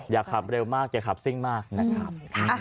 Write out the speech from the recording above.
อย่าขับเร็วมากอย่าขับซิ่งมากนะครับ